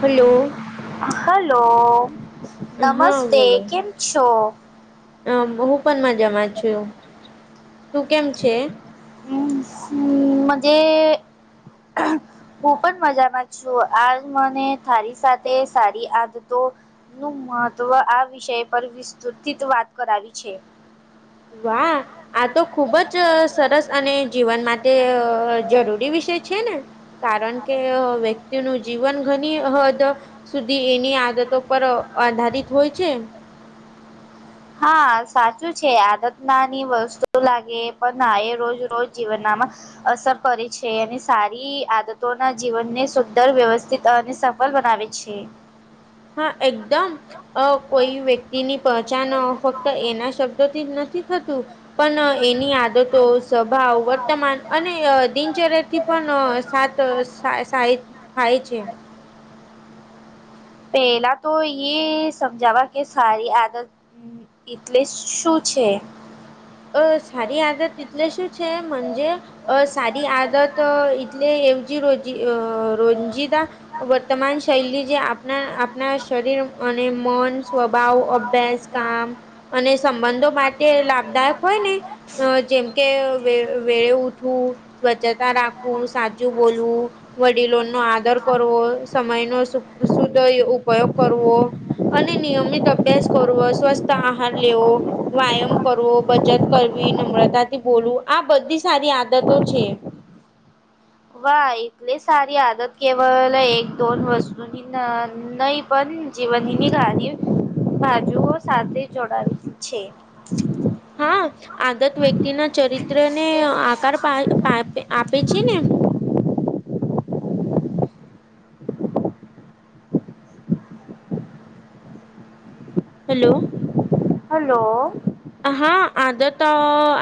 Hello. Hello નમસ્તે કેમ છો? અમ હું પણ મજામાં છું, તું કેમ છે? [unintelligible] હું પણ મજા માં છું આ મને થળ સાથે સાડી આંધતો. નું મહત્વ આ વિષય પર વિસ્તૃતિત વાત કરાવી છે. વાહ, આ તો ખુબ જ સરસ અને જીવનમાં તે જરૂરી વિષય છે ને, કારણ કે વતિ તેનું જીવન ઘણી હદ, સુધી એની આદતો પર આધારિત હોય છે. [unintelligible] હા સાચું છે આદત નાની વસ્તુ લાગે પણ હ એ રોજ રોજ જીવનમાં અસર કરે છે અને સારી આદતોના જીવનને સુંદર વ્યવસ્થિત અને બલ બનાવે છે. હા એકદમ, કોઈ વ્યક્તિની પહચાન ફક્ત એના શબ્દોથી જ નથી. [unintelligible] પણ એની આદતો સ્વભાવ વર્તમાન અને દિનચર્યાથી પણ સાત ાય થાય છે. પહેલા તો એ સમજાવા કે સારી આદત એટલે શું છે? અ સારી આદત એટલે શું છેજે અ સારી આદત તો ટલે એવ રોજતા વર્તમાન શૈ જે આપ ના શરીર અને મન સ્વભાવ અભ્યાસ કામ. અને સંબંધો માટે લાભદાયક હોય ને જેમ કે વેળે ઉઠવું. સ્વચ્છતા રાખવું સાચું બોલવું, વડીલો નો આદર કરવો. સમય નો શુદ્ધ ઉપયોગ કરવો. અને નિયમિત અભ્યાસ કરવો, સ્વસ્થ આહાર લેવો વ્યાયામ કરવો. ત કરવી નમ્રતાથી બોલું આ બધી સારી આદતો છે. વા એટલે સારી આદત કેવલ એક દોન વસ્તુ ન નહી પણ જીવનની ગારી બાજુઓ સાથે જોડાયે છે. [inaudible] હા આગત વ્યક્તિ ના ચરિત્ર ને આકાર આપે છે ને. હલો. હલો. હા આદર તો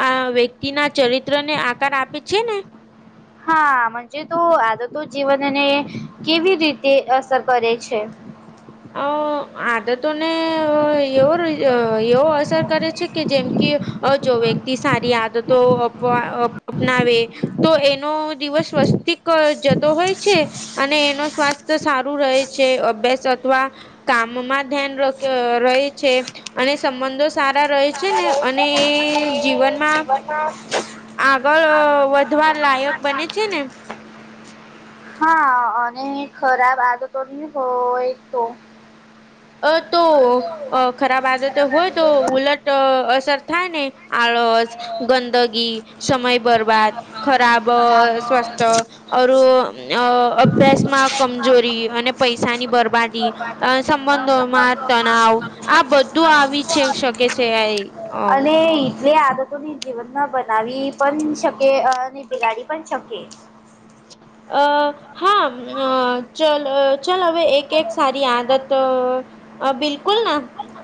આ વ્યક્તિના ચરિત્ર ને આકાર આપે છે ને. હા મજે તો આ તો તો જીવનને, કેવી રીતે અસર કરે છે? અ [unintelligible] આદતોને એવો એવો અસર કરે છે કે જેમ કે અ જો વ્યક્તિ સારી આદતો અપવા અપનાવે. તો એનો દિવસ સ્વસ્તિક જતો હોય છે. અને એનો સ્વાસ્થ્ય સારું રહે છે અભ્યાસ અવા કામમાં ધ્યાન રહી છે. અને સંબંધો સારા રહે છે ને અને જીવનમાં. [unintelligible] આગળ વધવા લાયક બને છે ને. હા અને ખરાબ આદતો નહી હોય એક તો- અ તો ખરાબ આદતે હોય તો ઉલટ અસર થાય ને. આળસ, ગંદગી, સમય બરબાદ, ખરાબ સ્વાસ્થ. અ અભ્યાસ માં કમજોરી અને પૈસાની બરબાદી. સંબંધોમાં તનાવ, આ બધું આવી છે શકે છે આ. અને એટલે આદતોને જીવનમાં બનાવી પણ શકે અને બિગાડી પણ શકે. અ હા ચ ચાલ હવે એક એક સારી આદત, બિલકુલ ના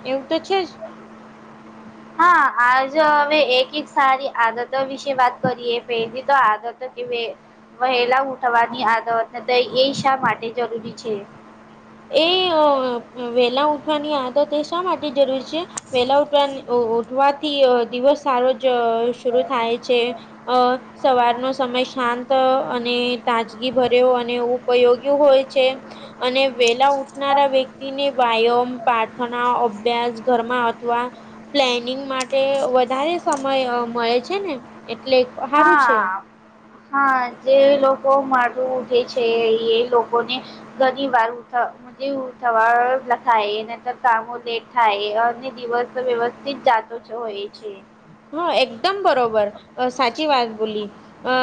એવું તો છે જ. હા આજ હવે એક એક સારી આદતો વિશે વાત કરીએ પહેલી તો આદતો કે વહેલા ઉઠવાની આદત હ દય એ શા માટે જરૂરી છે? એ વેલા ઉઊઠવાની આદત એ શા માટે જરૂરી છે? વેલા ઉઠવા ઉઠવાથી દિવસ સારો જ શર થાય છે. અ સવારનો સમય શાંત અને તાજગી ભર્યો અને ઉપયોગી હોય છે. અને વેલા ઉઠનારા વ્યક્તિને વ્યાયામ પા તના અભ્યાસ ઘરમાં અથવા પ્લેનિંગ માટે વધારે સમય મળે છે ને, એટલે હારું છે. હા. હા જે લોકો મારું ઉઠે છે એ લોકોને ઘણી વાર ઉઠ સવા લ થએ નર કામ લેટ થાય અને દિવસ વ્યવસ્થિત જો એ છે. હા એકદમ બરોબર, સાચી વાત બોલી, અ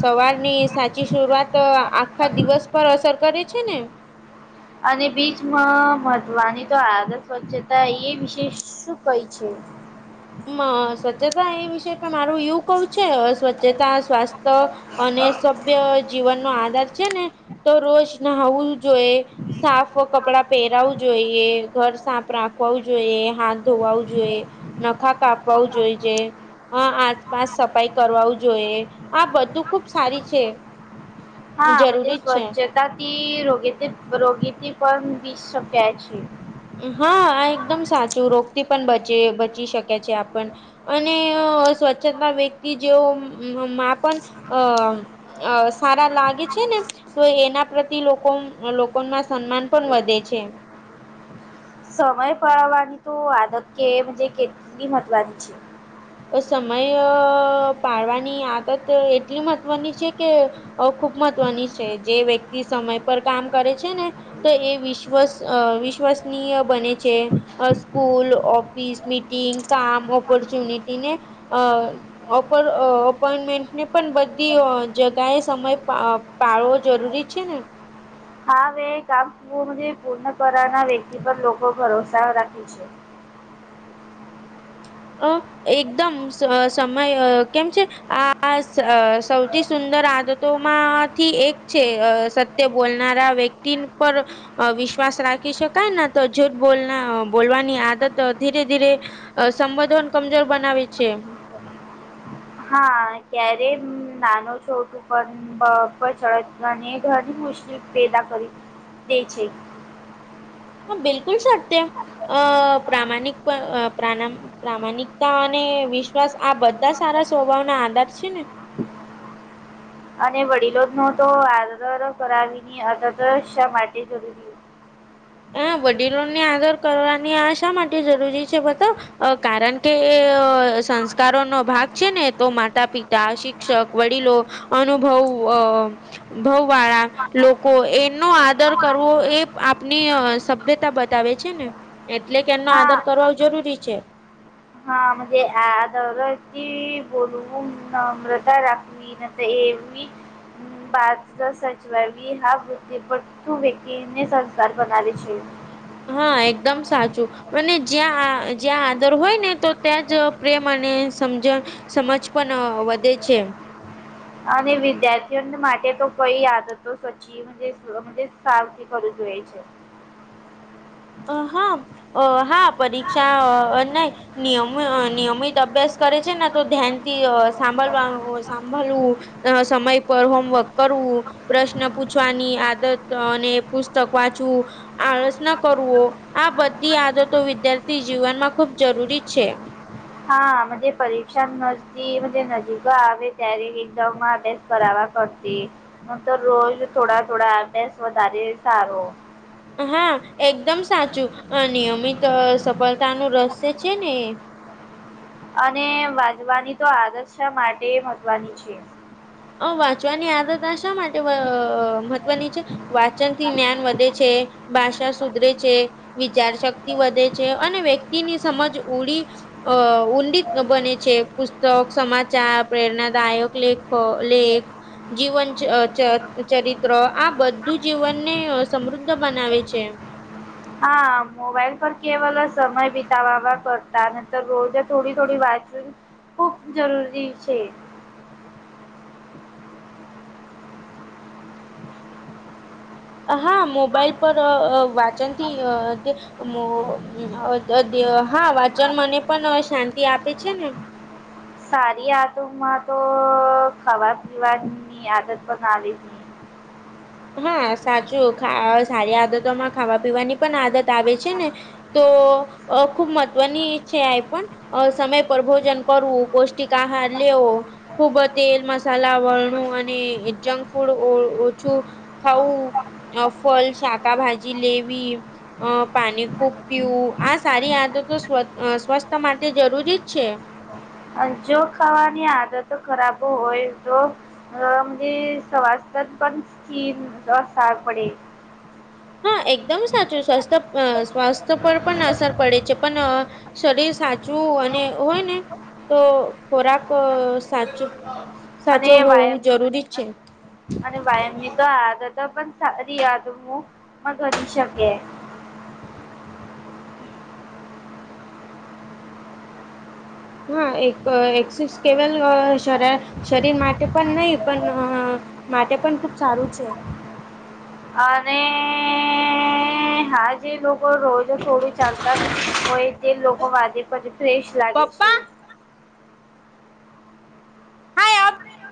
સવાર ની સાચી શરઆત આખા દિવસ પર અસર કરે છે ને. અને બીચમાં મવાની તો આગત સ્વચ્છતા એ વિશેષ શું કઈ છે. સ્વચ્છતા એ વિષ પણ મારું એવું કવું છેવ જે ત્યા સ્વાસ્થ્ય, અને સબ જીવન નો આધાર છે ને, તો રોજ નું જોઈએ, સાફ કપડા પહેરાું જોઈએ ઘર સાફ રાખવાું જોઈએ હાથ ધોવું જોઈએ. નખા કાપવા જોઈ જ. હ આસપાસ સફાઈ કરવા જોઈએ, આ બધું ખુબ સારી છે. હાજ જરૂરી જ છે. સ્વચ્છતા તી રોગી રોગીથી પણ દીસ શક્યા છે. હા આ એકદમ સાચું રોગથી બચી શકે છે આપણ. અને સ્વચ્છતા વ્યક્તિ જેઓ માં પણ, અ અ સારા લાગે છે ને. તો એના પ્રતિ લોકો લોકોમાં સન્માન પણ વધે છે. સમય પળવાની તો વાદક કે કેટલી મહત્વની છે. તો સમય પાડવાની આદત એટલી મહત્વની છે કે અ ખુબ મહત્વની છે જે વ્યક્તિ સમય પર કામ કરે છે ને. તો એ વિશ્વસ વિશ્વસનીય બને છે. અ સ્કૂલ ઓફિસ મીટિંગ કામ ઓપોર્ચ્યુનિટીને, અ અપોઈન્ટમેન્ટને પણ બધી જગાએ સમય પાળવો જરૂરી છે ને. હા મે કામ પૂણ પૂર્ણ કરવાના વ્યક્તિ પર લોકો ભરોસા રાખી છે. [unintelligible] એકદમ સમય કેમ છે? આ સૌથી સુંદર આદત માંથી એક છે સત્ય બોલનારા વ્યક્તિ પર અ વિશ્વાસ રાખી શકાય તો જૂઠ બોલના બોલવાની આદત ધીરે ધીરે અ સંબધન કમજોર બનાવે છે. હા ક્યારેય નાનો છોટું પણ ર ચળવાને ઘણી મુશ્કેલી પેદા કરી તે છે. હા બિલકુલ સાધ્ય, અ પ્રામાણિક પ્રાણા પ્રામાણિકતા અને વિશ્વાસ આ બધા સારા સ્વભાવ ના આધાર છે ને. અને વડીલો નો તો આદર કરાવી અત શા માટે જરૂરી છે. હ વડીલોની આદર કરવાની આ શા માટે જરૂરી છે બતાવ? કારણ કે સંસ્કારો નો ભાગ છે ને તો માતા પિતા શિક્ષક, વડીલો, અનુભવ. વાળા, લોકો એનો આદર કરવો એ આપ આપની સભ્યતા બતાવે છે ને, એટલે કે એમનો આદર કરવા જરૂરી છે. હા આદરથી બોલવું, નમ્રતા રાખવી એમની વાત સચવાવી હા તું વય્કતીને સંસ્કાર બનાવે છે. હા એકદમ સાચું, અને જ્યાં જ્યાં આદર હોય ને તો ત્યાં જ પ્રેમ અને સમજણ, સમજ પણ વધે છે. અને વિદ્યાર્થીઓ માટે તો કઈ આદતો સચી સાવથી કરવું જોઈ છે. અ હા, અ હા પરીક્ષા નહી. નિયમિત અભ્યાસ કરે છે ને તો ધ્યાનથી સાંભળવાનું સાંભળવું, સમય પર હોમવર્ક કરવું. પ્રશ્ન પૂછવાની આદત અને પુસ્તક વાંચવું, આળસ ન કરવી, આ બધી આદતો વિદ્યાર્થી જીવનમાં ખૂબ જરૂરી છે. હા મ પરીક્ષા નજીકો આવે ત્યારે એક્ઝામમાં બે કરવા કરતા, નંતર રોજ થોડા થોડા અભ્યાસ વધારે સારો. હા, એકદમ સાચું, નિયમિત સફળતાનું રહસ્ય છે ને એ. અને વાજવાની તો આદર્શ માટે મહત્વની છે. વાંચવાની આદત શા માટે મહત્વની છે? વાંચન થી જ્ઞાન વધે છે, ભાષા સુધરે છે. વિચાર શક્તિ વધે છે અને વ્યક્તિની સમજ ઉંડી અહ ઊંડી બને છે, પુસ્તક, સમાચાર, પ્રેરણાદાયક લેખ પ લેખ જીવન ચ ચ ચરિત્ર આ બધું જીવનને સમૃદ્ધ બનાવે છે. હા મોબાઈલ પર કેવલ સમય વિતાવવા કરતા નંતર રોજ થોડી થોડી વાંચવુ ખૂબ જરૂરી છે. હા મોબાઈલ પર અહ અહ વાંચનથી [unintelligible] [unintelligible] હા વાચન મન ને પણ શાંતિ આપે છે ને સારી આદોમાં તો ખાવા પીવા ની આદત પણ આવી હા સાચું ખા સારી આદતોમાં ખાવા પીવાની પણ આદત [unintelligible] છે ને તો અહ ખુબ મહત્વની છે આય ફોન અહ સમય પર ભોજન કરવું પૌષ્ટિક કા આહાર લેવો, ખુબ તેલ મસાલા વાળુ અને જંક ફૂડ ઓ ઓ ઓછું ખાવું ફળ શાકભાજી લેવી અ પાણી ખૂબ પીવું આ સારી આદતો સ્વત અહ સ્વસ્થત માટે જરૂરી જ છે. અ જો ખાવાની આદત ખરાબ હોય તો [unintelligible] સ્વાસ્થ્યક પણ સ્થિર સાર પડે. હા એકદમ સાચું સ્વાસ્થ્ય સ્વાસ્થ્ય પર પણ અસર પડે છે પણ અહ શરીર સાચવું અને હોય ને તો ખોરાક ક સાચો અને સાચો હોવું જરૂરી વ્યાયામ છે. અને વાયામની તો આદતો પણ સારી આદવું માં બની શકે હમ્મ. હા એક એકસીસ કેવલ અહ શર શરીર માટે પણ નહી પણ અહ માટે પણ ખુબ સારું છે. અને હાલ જે લોકો રોજ થોડું ચાલતા હોય તે લોકો [unintelligible] ફ્રેશ લાગે છે. પપ્પા [unintelligible]